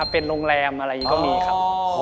เป็นโรงแรมอะไรอย่างนี้ก็มีครับ